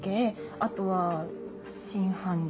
あとは真犯人。